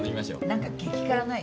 何か激辛ない？